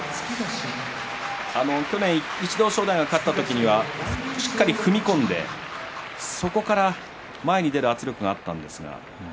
去年、一度、正代が勝った時にはしっかり踏み込んでそこから前に出る圧力があったんですが。